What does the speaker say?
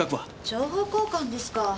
情報交換ですか。